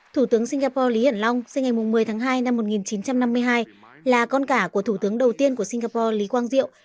thủ tướng singapore lý hiển long sinh ngày một mươi tháng hai năm một nghìn chín trăm năm mươi hai là con cả của thủ tướng đầu tiên của singapore lý quang diệu